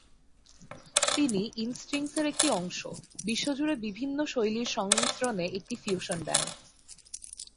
তিনি 'ইনস্ট্রিংস'-এর একটি অংশ, বিশ্বজুড়ে বিভিন্ন শৈলীর সংমিশ্রণে একটি ফিউশন ব্যান্ড।